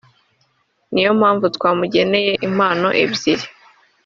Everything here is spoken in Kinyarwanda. niyo mpamvu twamugeneye impano ebyiri